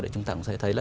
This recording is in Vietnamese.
chúng ta cũng sẽ thấy là